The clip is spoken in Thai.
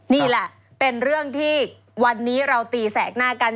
นี่แหละเป็นเรื่องที่วันนี้เราตีแสกหน้ากัน